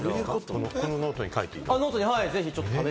このノートに書いていいの？